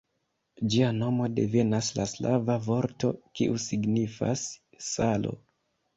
Ĝia nomo devenas de slava vorto, kiu signifas "salo".